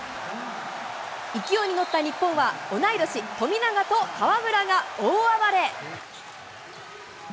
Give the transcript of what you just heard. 勢いに乗った日本は、同い年、富永と河村が大暴れ。